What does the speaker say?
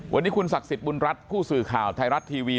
วันนี้คุณศักดิ์สิทธิ์บุญรัฐผู้สื่อข่าวไทยรัฐทีวี